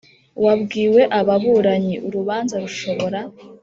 Wabwiwe ababuranyi urubanza rushobora